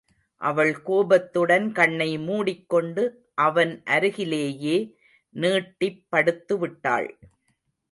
அவள் கோபத்துடன் கண்ணை மூடிக்கொண்டு அவன் அருகிலேயே நீட்டிப் படுத்துவிட்டாள்.